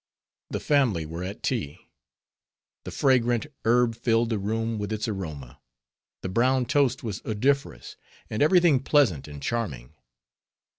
The family were at tea; the fragrant herb filled the room with its aroma; the brown toast was odoriferous; and everything pleasant and charming.